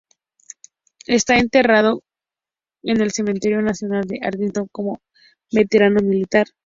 Está enterrado en el Cementerio Nacional de Arlington, como veterano militar.